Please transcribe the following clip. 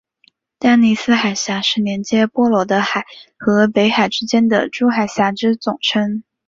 丹尼斯海峡是连结波罗的海和北海之间的诸海峡之总称。